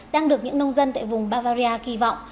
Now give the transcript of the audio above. đang được những nông dân tại vùng bavaria kỳ vọng